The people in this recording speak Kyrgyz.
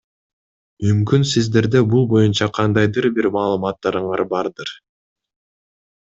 Мүмкүн сиздерде бул боюнча кандайдыр бир маалыматтарыңар бардыр?